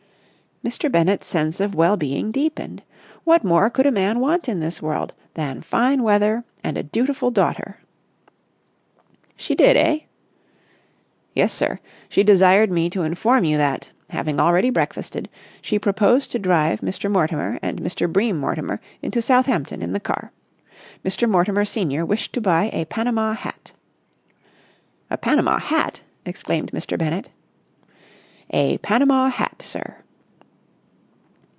Mr. Bennett's sense of well being deepened. What more could a man want in this world than fine weather and a dutiful daughter? "She did, eh?" "Yes, sir. She desired me to inform you that, having already breakfasted, she proposed to drive Mr. Mortimer and Mr. Bream Mortimer into Southampton in the car. Mr. Mortimer senior wished to buy a panama hat." "A panama hat!" exclaimed Mr. Bennett. "A panama hat, sir."